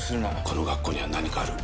この学校には何かある。